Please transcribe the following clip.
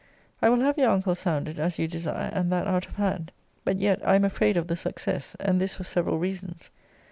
I will have your uncle sounded, as you desire, and that out of hand. But yet I am afraid of the success; and this for several reasons.